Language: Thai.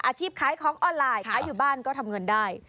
ขายของออนไลน์ขายอยู่บ้านก็ทำเงินได้